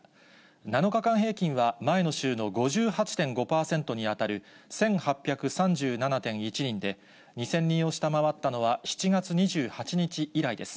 ７日間平均は前の週の５８．５％に当たる１８３７．１人で、２０００人を下回ったのは７月２８日以来です。